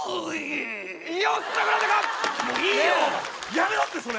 やめろってそれ！